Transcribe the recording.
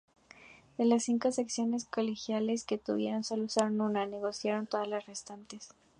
De las cinco selecciones colegiales que tuvieron, solo usaron una; negociaron todas las restantes.